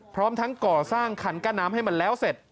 พร้อมทั้งก่อสร้างคันกั้นน้ำให้มันแล้วเสร็จ